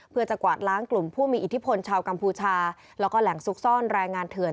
เพื่อจะกวาดล้างกลุ่มผู้มีอิทธิพลชาวกัมพูชาแล้วก็แหล่งซุกซ่อนแรงงานเถื่อน